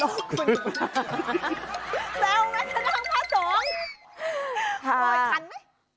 แซวไหมชาวโมธนาพระสงฆ์